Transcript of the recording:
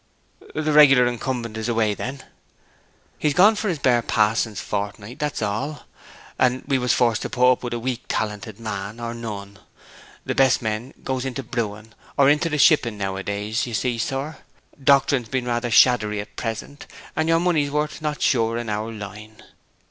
'The regular incumbent is away, then?' 'He's gone for his bare pa'son's fortnight, that's all; and we was forced to put up with a weak talented man or none. The best men goes into the brewing, or into the shipping now a days, you see, sir; doctrines being rather shaddery at present, and your money's worth not sure in our line.